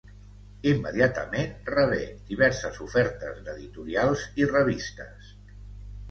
Immediatament rebé diverses ofertes d'editorials i revistes.